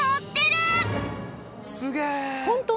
すげえ！